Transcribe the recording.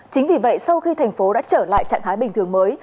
chính vì vậy sau khi thành phố đã trở lại trạng thái bình thường mới